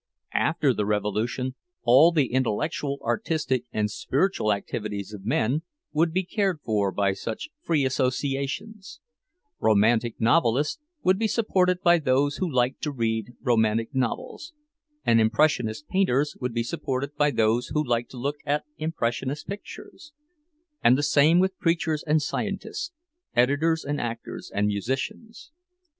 After the revolution, all the intellectual, artistic, and spiritual activities of men would be cared for by such "free associations"; romantic novelists would be supported by those who liked to read romantic novels, and impressionist painters would be supported by those who liked to look at impressionist pictures—and the same with preachers and scientists, editors and actors and musicians.